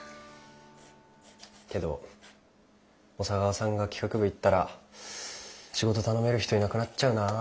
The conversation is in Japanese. けど小佐川さんが企画部行ったら仕事頼める人いなくなっちゃうなぁ。